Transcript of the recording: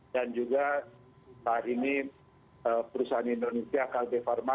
dan juga perusahaan indonesia kb pharma